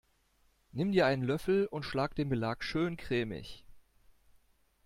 Nimm dir einen Löffel und schlag den Belag schön cremig.